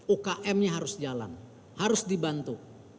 ukm nya harus jalan harus dibantu